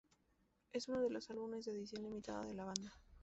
Es uno de los álbumes de edición limitada de la banda.